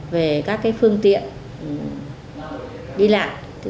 về các phương tiện đi lại